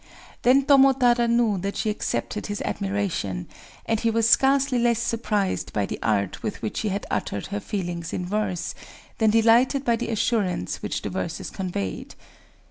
_"] Then Tomotada knew that she accepted his admiration; and he was scarcely less surprised by the art with which she had uttered her feelings in verse, than delighted by the assurance which the verses conveyed.